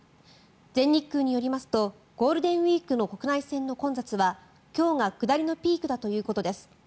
全日空によりますとゴールデンウィークの国内線の混雑は今日が下りのピークだということです。